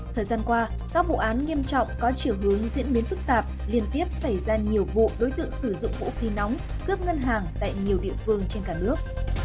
thời gian qua các vụ án nghiêm trọng có chiều hướng diễn biến phức tạp liên tiếp xảy ra nhiều vụ đối tượng sử dụng vũ khí nóng cướp ngân hàng tại nhiều địa phương trên cả nước